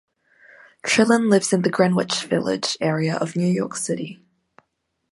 Trillin lives in the Greenwich Village area of New York City.